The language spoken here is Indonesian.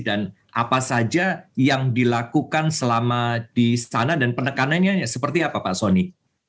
dan apa saja yang dilakukan selama di sana dan penekanannya seperti apa pak sony